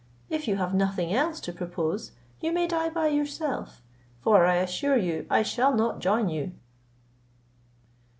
If you have nothing else to propose, you may die by yourself; for I assure you I shall not join you."